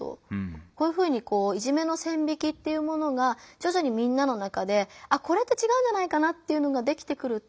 こういうふうにいじめの線引きっていうものがじょじょにみんなの中でこれって違うんじゃないかなっていうのができてくると。